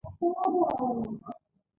ميرويس نيکه لومړی کلات ته لاړ.